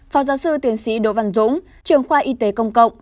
phó giáo sư tiến sĩ đỗ văn dũng trường khoa y tế công cộng